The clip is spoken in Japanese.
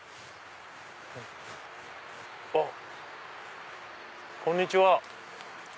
あっこんにちは。